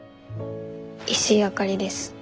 石井あかりです。